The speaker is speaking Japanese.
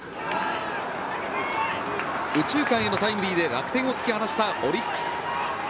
右中間へのタイムリーで楽天を突き放したオリックス。